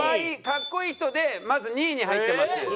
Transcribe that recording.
かっこいい人でまず２位に入ってます。